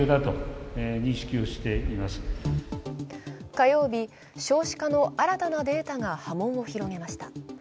火曜日、少子化の新たなデータが波紋を広げました。